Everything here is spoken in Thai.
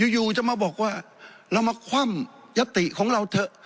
อยู่จะมาบอกว่าเรามาคว่ำยัตติของเราเถอะ